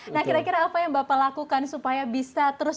nah kira kira apa yang bapak lakukan supaya bisa terus